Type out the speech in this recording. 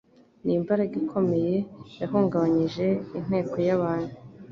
N'imbaraga ikomeye yahungabanyije inteko y'abantu,